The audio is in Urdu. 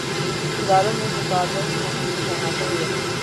اداروں میں تصادم نہیں ہونا چاہیے۔